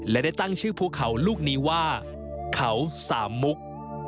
และได้ตั้งชื่อภูเขาลูกนี้ว่าเขาสามมุก